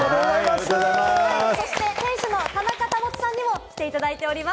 そして、店主の田中保さんにも来ていただいております。